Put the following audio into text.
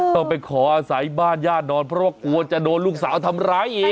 ต้องไปขออาศัยบ้านญาตินอนเพราะว่ากลัวจะโดนลูกสาวทำร้ายอีก